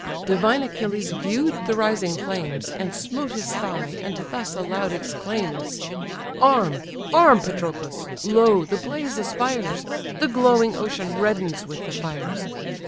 Divine Achilles view'd the rising flames, And smote his thigh, and thus aloud exclaims: "Arm, arm, Patroclus! Lo, the blaze aspires! The glowing ocean reddens with the fires.